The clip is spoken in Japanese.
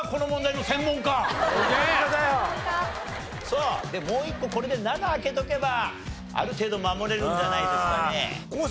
さあもう一個これで７開けておけばある程度守れるんじゃないですかね。